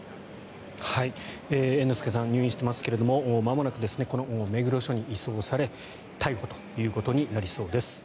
猿之助さん入院していますがまもなくこの目黒署に移送され逮捕ということになりそうです。